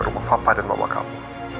rumah papa dan mama kamu